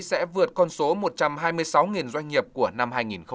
sẽ vượt con số một trăm hai mươi sáu doanh nghiệp của năm hai nghìn một mươi bảy